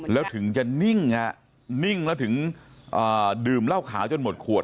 แล้วถึงจะนิ่งนิ่งแล้วถึงดื่มเหล้าขาวจนหมดขวด